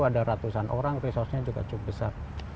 ada ratusan orang resourcenya juga cukup besar